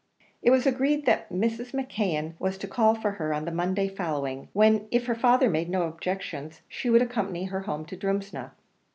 It was agreed that Mrs. McKeon was to call for her on the Monday following, when, if her father made no objection, she would accompany her home to Drumsna.